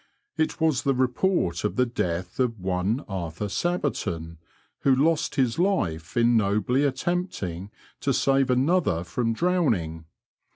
It was the report of the death of one Arthur Sabberton, who lost his life in nobly attempting to save another from drowning.